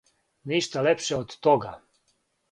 Ништа лепше од тога!